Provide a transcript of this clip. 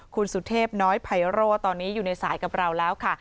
คุณสุเทพน้อยไพโร่ตอนนี้อยู่ในสายกับเราแล้วค่ะ